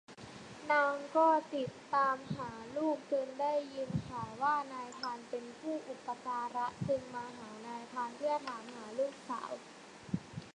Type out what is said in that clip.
นางก็ติดตามหาลูก จนได้ยินข่าวว่านายพรานเป็นผู้อุปการะจึงมาหานายพรานเพื่อถามหาลูกสาว